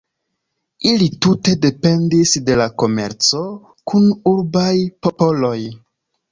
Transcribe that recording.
Ili tute dependis de la komerco kun urbaj popoloj.